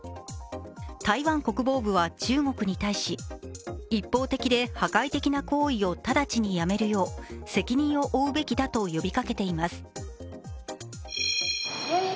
台湾国防部は中国に対し、一方的で破壊的な行為を直ちにやめるよう責任を負うべきだと呼びかけています。